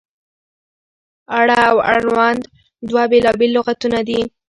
اړه او اړوند دوه بېلابېل لغتونه دي.